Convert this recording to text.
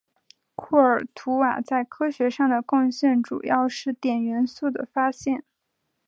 库尔图瓦在科学上的贡献主要是碘元素的发现。